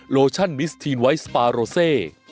โลชั่นมิสทีนไวท์สปาโรเซ